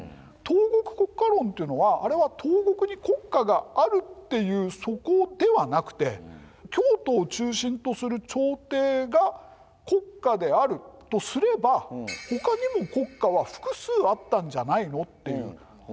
東国国家論っていうのはあれは東国に国家があるっていうそこではなくて京都を中心とする朝廷が国家であるとすればほかにも国家は複数あったんじゃないのっていう。